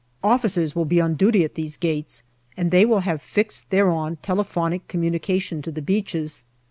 Officers will be on duty at these gates, and they will have fixed thereon telephonic communication to the beaches.